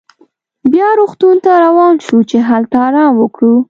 بیا روغتون ته روان شوو چې هلته ارام وکړو.